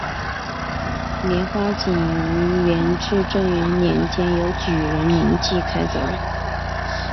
莲花井于元至正元年由举人林济开凿。